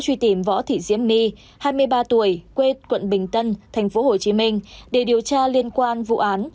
truy tìm võ thị diễm my hai mươi ba tuổi quê quận bình tân tp hcm để điều tra liên quan vụ án